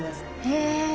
へえ。